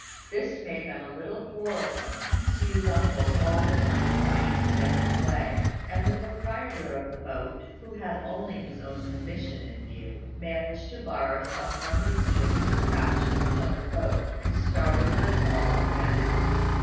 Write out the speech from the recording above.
This made them a little quarrelsome, Hsiu's uncle all the time trying to get him away; and the proprietor of the boat, who had only his own commission in view, managed to borrow some hundred strings of cash from another boat, and started them all again.